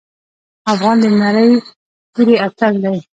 افغان د نرۍ توري اتل دی.